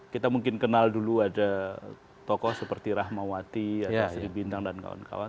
kita mungkin kenal dulu ada tokoh seperti rahmawati ada sri bintang dan kawan kawan